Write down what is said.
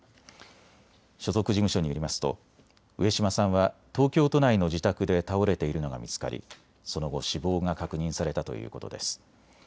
所属事務所によりますと上島さんは東京都内の自宅で倒れているのが見つかりその後、死亡が確認されたということです。